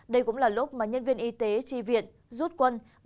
đây cũng là lúc mà nhân viên y tế tri viện rút quân